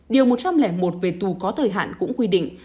điều một trăm linh một về tù có thời hạn cũng quy định